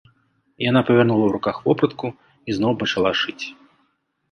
Яна павярнула ў руках вопратку і зноў пачала шыць.